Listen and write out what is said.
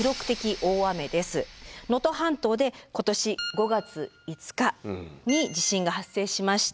能登半島で今年５月５日に地震が発生しました。